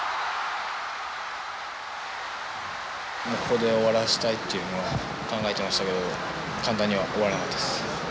ここで終わらせたいっていうのは考えてましたけど簡単には終わらなかったです。